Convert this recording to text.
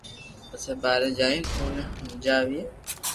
پپسي ٻاري جائين اوني ھمجاوئي